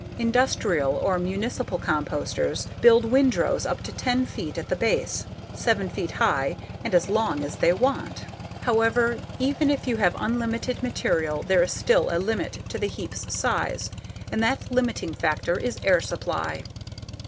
Industrial or municipal composters build windrows up to ten feet at the base, seven feet high, and as long as they want. However, even if you have unlimited material there is still a limit to the heap's size and that limiting factor is air supply.